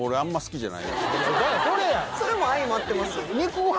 それも相まってますよ